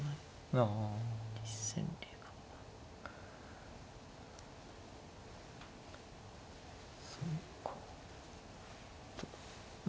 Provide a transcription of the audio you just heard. ああうんそうか。